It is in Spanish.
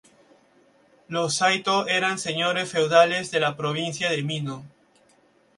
Los Saitō eran señores feudales de la Provincia de Mino.